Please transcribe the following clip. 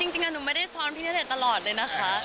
จริงอ่ะหนูไม่ได้ซ้อนพิเศษตลอดเลยนะคะ